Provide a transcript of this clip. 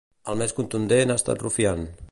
El més contundent ha estat Rufián.